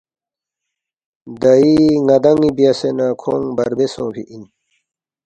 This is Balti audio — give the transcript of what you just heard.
دئی ن٘دان٘ی بیاسے نہ کھونگ بربے سونگفی اِن